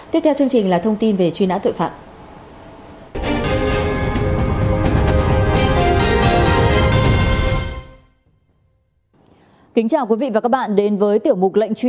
tiếp theo chương trình là thông tin về truy nã tội phạm